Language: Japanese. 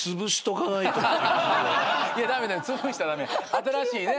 新しいね。